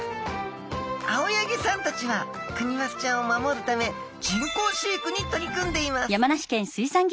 青柳さんたちはクニマスちゃんを守るため人工飼育に取り組んでいますですみません。